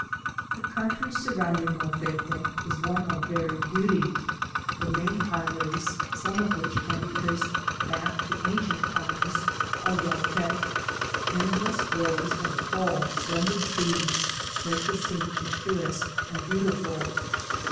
The country surrounding Molfetta is one of varied beauty. The main highways, some of which can be traced back to ancient times, are well kept. Endless rows of tall, slender trees make the scene picturesque and beautiful.